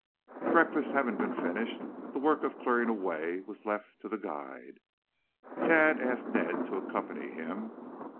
Breakfast having been finished, the work of clearing away was left to the guide. Tad asked Ned to accompany him.